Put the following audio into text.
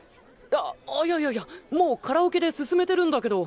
あいやいやいやもうカラオケで進めてるんだけど。